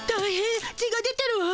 血が出てるわ。